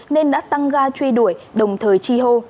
nên đã tăng ga truy đuổi đồng thời chi hô